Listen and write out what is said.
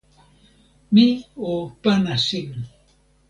mi o pana sin!